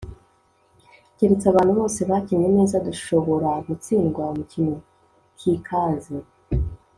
keretse abantu bose bakinnye neza, dushobora gutsindwa umukino kcaze